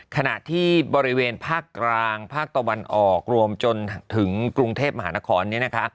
ขณะที่บริเวณภาคกลางภาคตะวันออกรวมจนถึงกรุงเทพมหานครเนี่ยนะคะ